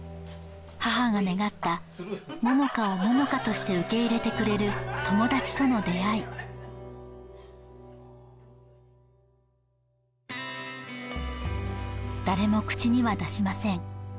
母が願った萌々花を萌々花として受け入れてくれる友達との出会い誰も口には出しません